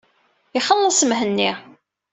Ixelleṣ Mhenni.